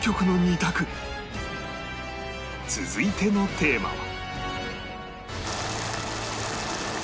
続いてのテーマは